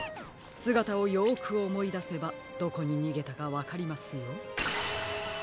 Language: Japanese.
すがたをよくおもいだせばどこににげたかわかりますよ。